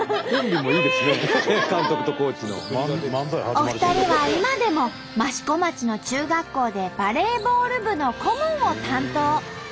お二人は今でも益子町の中学校でバレーボール部の顧問を担当。